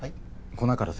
粉から先？